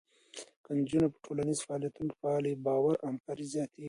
که نجونې په ټولنیزو فعالیتونو کې فعاله وي، باور او همکاري زیاته کېږي.